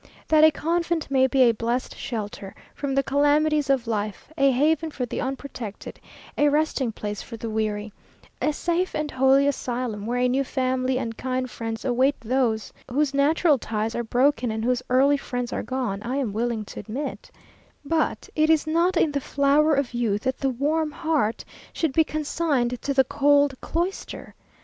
That a convent may be a blessed shelter from the calamities of life, a haven for the unprotected, a resting place for the weary, a safe and holy asylum, where a new family and kind friends await those whose natural ties are broken and whose early friends are gone, I am willing to admit; but it is not in the flower of youth that the warm heart should be consigned to the cold cloister.